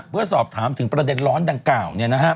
เพื่อสอบถามถึงประเด็นร้อนดังกล่าว